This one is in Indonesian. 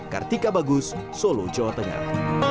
kartika bagus solo jawa tengah